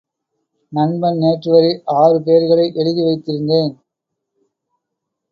நண்பன் நேற்றுவரை ஆறு பேர்களை எழுதி வைத்திருந்தேன்.